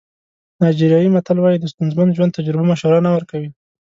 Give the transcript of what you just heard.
نایجیریایي متل وایي د ستونزمن ژوند تجربه مشوره نه ورکوي.